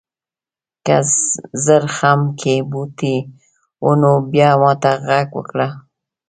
که زرخم کې بوټي و نو بیا ماته غږ وکړه.